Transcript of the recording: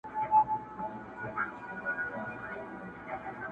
په محشر کي به پوهیږي چي له چا څخه لار ورکه.!